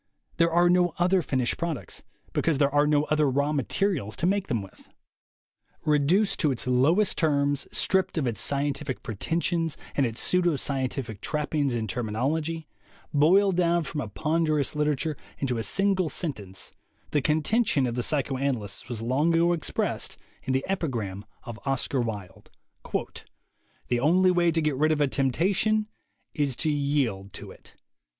104 THE WAY TO WILL POWER There are no other finished products, because there are no other raw materials to make them with. Reduced to its lowest terms, stripped of its scientific pretensions and its pseudo scientific trappings and terminology, boiled down from a ponderous literature into a single sentence, the contention of the psychoanalysts was long ago expressed in the epigram of Oscar Wilde: "The only way to get rid of a temptation is to yield to it."